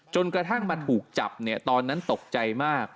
จนกระทั่งมาถูกจับตอนนั้นตกใจมาก